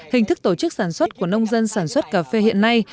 hình thức tổ chức sản xuất của nông dân sản xuất cà phê hiện nay